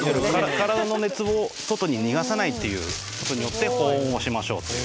体の熱を外に逃がさないっていうことによって保温をしましょうという。